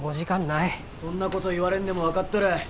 そんなこと言われんでも分かっとる。